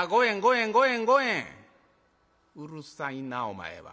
「うるさいなお前は。